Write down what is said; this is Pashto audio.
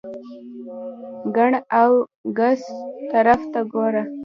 ګېڼ او ګس طرف ته ګوره !